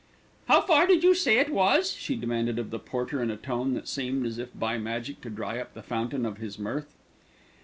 "How far did you say it was?" she demanded of the porter in a tone that seemed, as if by magic, to dry up the fountain of his mirth.